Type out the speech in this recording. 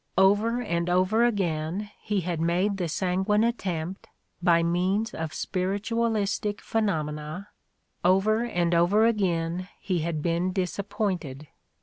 Over and over again he had made the sanguine attempt, by means of spirit ualistic phenomena : over and over again he had been disappointed.